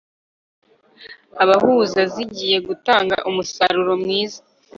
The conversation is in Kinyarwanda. abahuza zigiye gutanga umusaruro mwiza